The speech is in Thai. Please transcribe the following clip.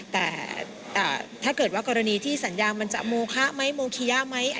แต่ถ้าเกิดว่ากรณีที่สัญญามันจะโมคะไหมโมคิยะไหม